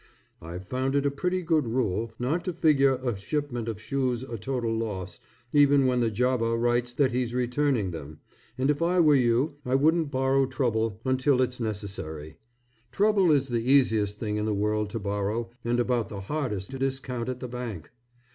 I've found it a pretty good rule, not to figure a shipment of shoes a total loss even when the jobber writes that he's returning them, and if I were you I wouldn't borrow trouble until it's necessary. Trouble is the easiest thing in the world to borrow, and about the hardest to discount at the bank.